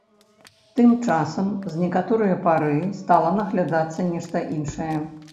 Тым часам, з некаторае пары, стала наглядацца нешта іншае.